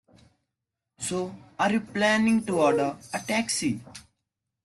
So, are you planning to order a taxi?